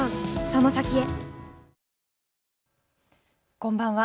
こんばんは。